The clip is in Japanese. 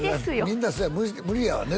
みんなそうや無理やわね